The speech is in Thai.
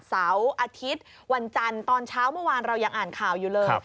เสาร์อาทิตย์วันจันทร์ตอนเช้าเมื่อวานเรายังอ่านข่าวอยู่เลย